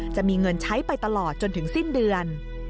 จะมีเงินใช้ไปตลอดจนถึงสิ้นเดือน